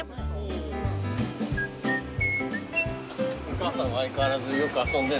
お母さんは相変わらずよく遊んでんの？